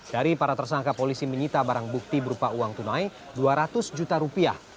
dari para tersangka polisi menyita barang bukti berupa uang tunai dua ratus juta rupiah